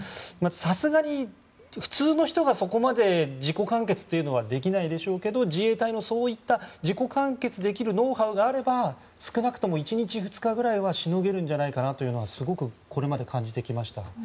さすがに普通の人がそこまで自己完結というのはできないでしょうけど自衛隊の自己完結できるノウハウがあれば少なくとも１日、２日くらいはしのげるんじゃないかなとはすごくこれまで感じてきました。